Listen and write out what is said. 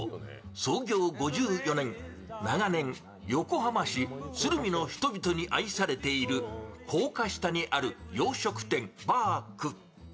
創業５４年、長年、横浜市鶴見の人々に愛されている高架下にある洋食店・ばーく。